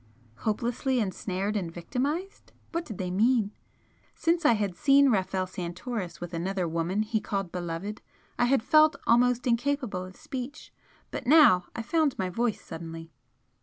'Hopelessly ensnared and victimised.' What did they mean? Since I had seen Rafel Santoris with another woman he called 'beloved' I had felt almost incapable of speech but now I found my voice suddenly.